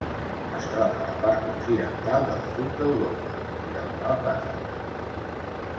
Es troba a la part occidental del sud d'Europa i al nord d'Àfrica.